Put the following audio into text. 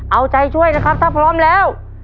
เอาใจช่วยนะครับถ้าพร้อมแล้ว